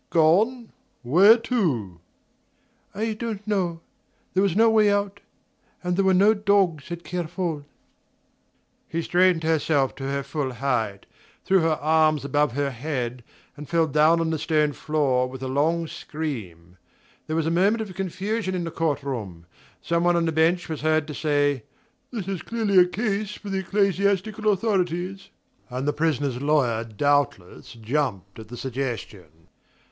"Gone where to?" "I don't know. There was no way out and there were no dogs at Kerfol." She straightened herself to her full height, threw her arms above her head, and fell down on the stone floor with a long scream. There was a moment of confusion in the court room. Some one on the bench was heard to say: "This is clearly a case for the ecclesiastical authorities" and the prisoner's lawyer doubtless jumped at the suggestion.